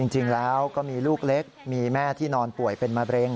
จริงแล้วก็มีลูกเล็กมีแม่ที่นอนป่วยเป็นมะเร็ง